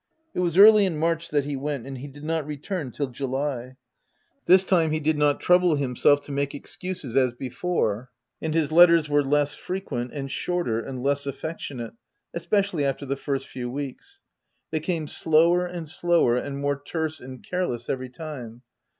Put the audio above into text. It was early in March that he went, and he did not return till July This time, he did not trouble himself to make OF WILDFELL HALL. 163 excuses as before, and his letters were less fre quent, and shorter and less affectionate, espe cially after the first few weeks : they came slower and slower, and more terse and careless every time.